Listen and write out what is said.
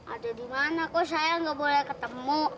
ada dimana kok saya gak boleh ketemu